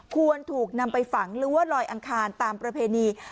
ควรถูกนำไปฝังหรือว่าลอยอังคารตามประเพณี